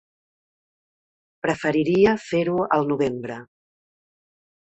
Preferiria fer-ho al novembre.